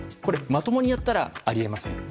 まともにやったらあり得ません。